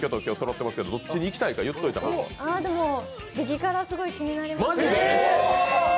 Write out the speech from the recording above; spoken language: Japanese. でも、激辛すごい気になります。